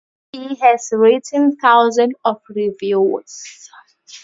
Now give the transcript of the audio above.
He has written thousands of reviews.